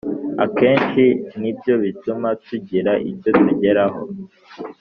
Akenshi ni byo bituma tugira icyo tugeraho